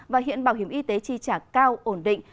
và hiện bảo hiểm y tế chi trả cao ổn định